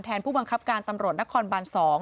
ผู้บังคับการตำรวจนครบาน๒